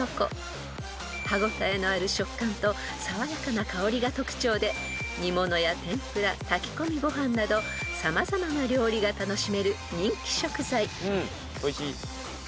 ［歯応えのある食感と爽やかな香りが特徴で煮物や天ぷら炊き込みご飯など様々な料理が楽しめる人気食材］